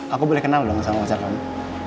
aku boleh kenal dengan pacar kamu